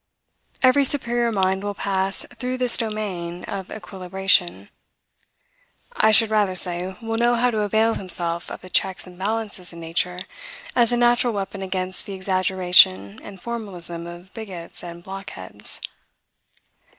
Every superior mind will pass through this domain of equilibration, I should rather say, will know how to avail himself of the checks and balances in nature, as a natural weapon against the exaggeration and formalism of bigots and blockheads.